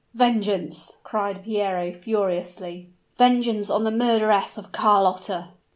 "Vengeance!" cried Piero, furiously; "vengeance on the murderess of Carlotta!"